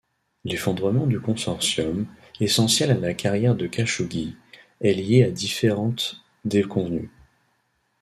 L'effondrement du consortium, essentiel à la carrière de Khashoggi, est lié à différentes déconvenues.